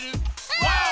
ワオ！